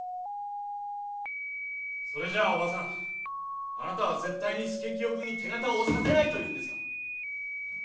それじゃあおばさんあなたは絶対に佐清くんに手形をおさせないというんですか？